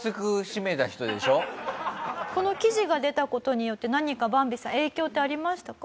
この記事が出た事によって何かバンビさん影響ってありましたか？